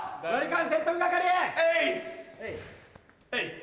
はい！